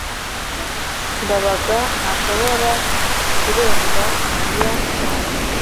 ndabaga ntashobora kurenga mariya cyane